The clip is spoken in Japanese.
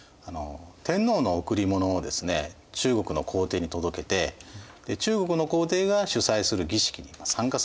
天皇の贈り物をですね中国の皇帝に届けて中国の皇帝が主催する儀式に参加することだったんですね。